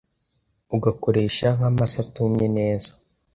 Ugakoresha nk’amase atumye neza